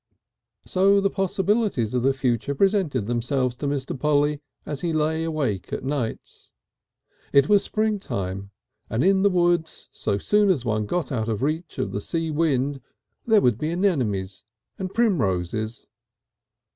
So the possibilities of the future presented themselves to Mr. Polly as he lay awake at nights. It was springtime, and in the woods so soon as one got out of reach of the sea wind, there would be anémones and primroses.